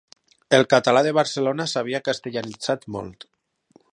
El català de Barcelona s'havia castellanitzat molt.